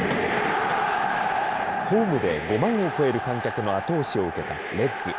ホームで５万を超える観客の後押しを受けたレッズ。